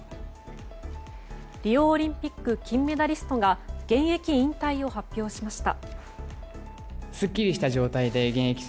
リオオリンピック金メダリストが現役引退を発表しました。